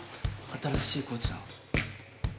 新しいコーチの。